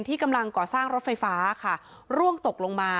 กำลังก่อสร้างรถไฟฟ้าค่ะร่วงตกลงมา